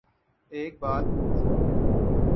ایک بات پو چوں